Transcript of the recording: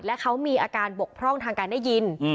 และเขามีอาการบกพร่องทางการได้ยิน